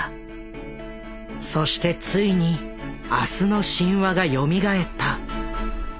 そしてついに「明日の神話」がよみがえった。